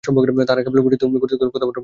তাঁহারা কেবল গুটিকতক কথামাত্র বলিয়া গিয়াছেন।